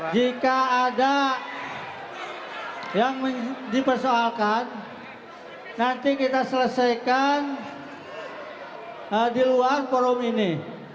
jika ada yang dipersoalkan nanti kita selesaikan di luar forum ini